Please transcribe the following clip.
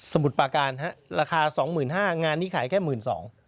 มุดปาการฮะราคา๒๕๐๐งานนี้ขายแค่๑๒๐๐บาท